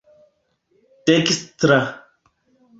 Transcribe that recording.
dekstra